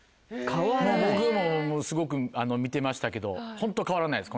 僕もすごく見てましたけどホント変わらないです